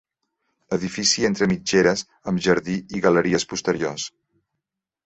Edifici entre mitgeres, amb jardí i galeries posteriors.